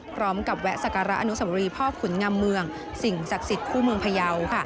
พร้อมกับแวะสการะอนุสวรีพ่อขุนงำเมืองสิ่งศักดิ์สิทธิ์คู่เมืองพยาว